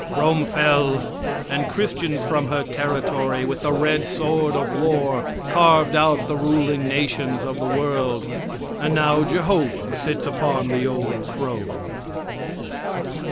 Rome fell, and Christians from her territory, with the red sword of war, carved out the ruling nations of the world, and now Jehovah sits upon the old throne.